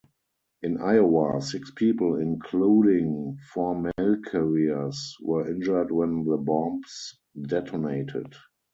In Iowa, six people, including four mail carriers, were injured when the bombs detonated.